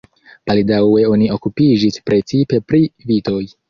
Baldaŭe oni okupiĝis precipe pri vitoj.